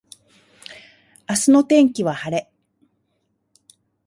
明日の天気は晴れ。